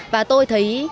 và tôi thấy